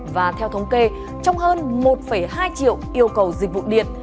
và theo thống kê trong hơn một hai triệu yêu cầu dịch vụ điện